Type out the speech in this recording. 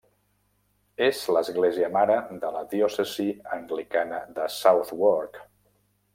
És l'església mare de la diòcesi anglicana de Southwark.